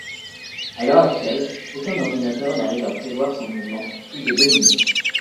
À l'heure actuelle, aucun ordinateur n'arrive à prévoir son mouvement plus de deux minutes.